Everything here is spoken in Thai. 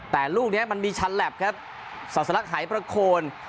แต่ลูกเนี้ยมันมีชันแหลปครับสาธารักษ์หายประโครน